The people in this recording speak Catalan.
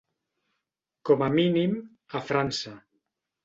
Com a mínim, a França.